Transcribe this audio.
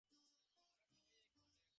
আমার স্বামীই একে মারবে।